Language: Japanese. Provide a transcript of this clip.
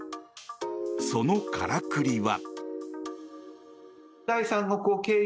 そのからくりは。